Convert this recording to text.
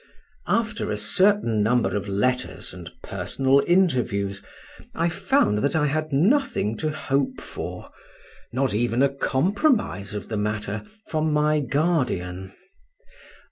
After a certain number of letters and personal interviews, I found that I had nothing to hope for, not even a compromise of the matter, from my guardian.